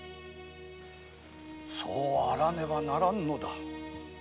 そうあらねばならんのだ。